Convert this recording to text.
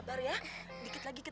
ke huruf ini tuker